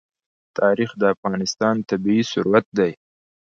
تاریخ د افغانستان طبعي ثروت دی.